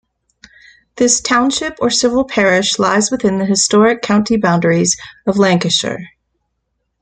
This township or civil parish lies within the historic county boundaries of Lancashire.